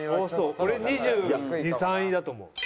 俺２２２３位だと思う。